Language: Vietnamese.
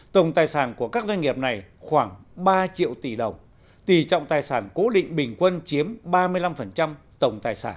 tổng tài sản của các doanh nghiệp này khoảng ba triệu tỷ đồng tỷ trọng tài sản cố định bình quân chiếm ba mươi năm tổng tài sản